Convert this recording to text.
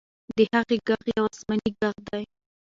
د هغې ږغ یو آسماني ږغ دی.